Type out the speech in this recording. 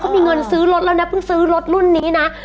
มีเงินซื้อรถแล้วนะเพิ่งซื้อรถรุ่นนี้นะ